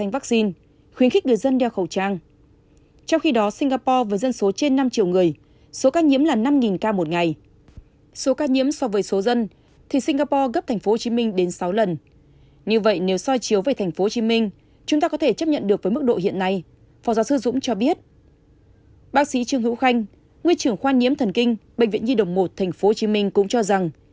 bác sĩ trương hữu khanh nguyên trưởng khoa niếm thần kinh bệnh viện nhi đồng một tp hcm cũng cho rằng